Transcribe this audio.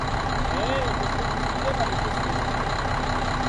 ..."Eh musuubuzi gyebaleko ssebo?